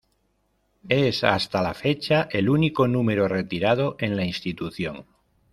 Es hasta la fecha, el único número retirado en la institución.